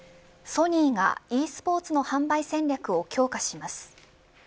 ソニーがｅスポーツの販売戦略を強化します。